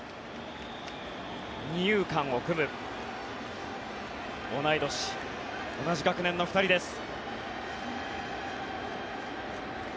二遊間を組む同い年、同じ学年の２人です。